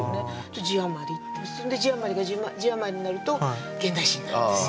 字余りってそれで字余りが字余りになると現代詩になるんですよ。